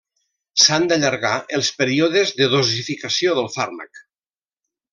S'han d'allargar els períodes de dosificació del fàrmac.